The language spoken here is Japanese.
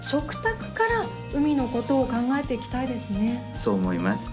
そう思います。